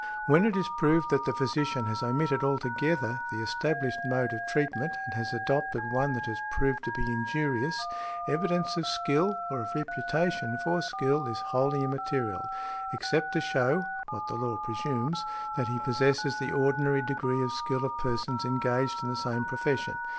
When it is proved that the physician has omitted altogether the established mode of treatment, and has adopted one that has proved to be injurious, evidence of skill, or of reputation for skill, is wholly immaterial, except to show (what the law presumes) that he possesses the ordinary |72| degree of skill of persons engaged in the same profession.